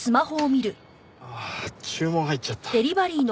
注文入っちゃった。